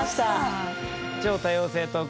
「超多様性トークショー！